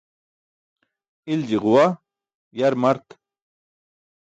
Ilji ġuwa, yar mart.